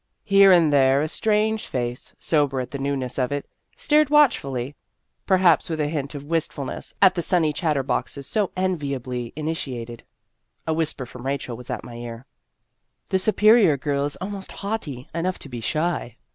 Here and there, a strange face, sober at the newness of it, stared watchfully, perhaps with a hint of wistful ness, at the sunny chatterboxes so envia bly initiated. A whisper from Rachel was at my ear :" The Superior Girl is almost haughty enough to be shy."